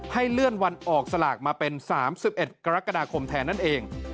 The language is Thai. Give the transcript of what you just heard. ให้เลื่อนวันออกสลากมาเป็น๓๑กรกฎาคมแทนนั่นเอง